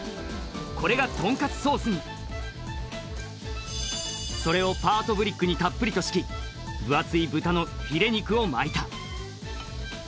これがとんかつソースにそれをパートブリックにたっぷりと敷き分厚い豚のフィレ肉を巻いた